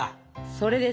それです。